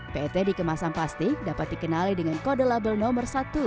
pet dikemasan plastik dapat dikenali dengan kode label nomor satu